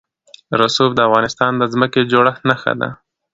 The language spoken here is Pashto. رسوب د افغانستان د ځمکې د جوړښت نښه ده.